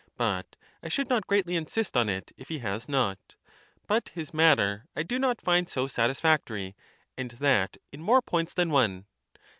v vi I should not greatly insist on it if he has not But his matter I dt) not find so satisfactory, and that in more points than one.